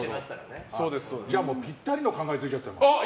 じゃあぴったりの考えついちゃった。